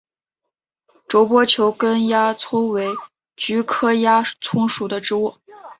皱波球根鸦葱为菊科鸦葱属的植物。